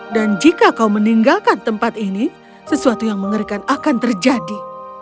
dan jika kau meninggalkan tempat ini sesuatu yang mengerikan akan terjadi